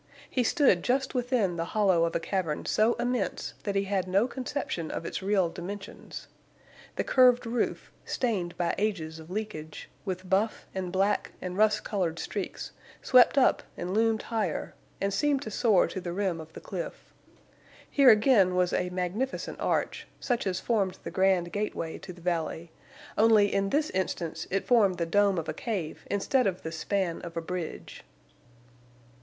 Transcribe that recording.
He stood just within the hollow of a cavern so immense that he had no conception of its real dimensions. The curved roof, stained by ages of leakage, with buff and black and rust colored streaks, swept up and loomed higher and seemed to soar to the rim of the cliff. Here again was a magnificent arch, such as formed the grand gateway to the valley, only in this instance it formed the dome of a cave instead of the span of a bridge.